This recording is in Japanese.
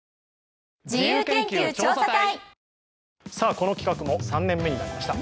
この企画も３年目になりました。